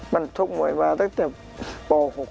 มันชกมวยมาตั้งแต่ป๖